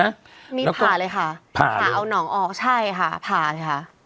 มีผ่าเลยค่ะผ่าเอาหนองออกใช่ค่ะผ่าเลยค่ะ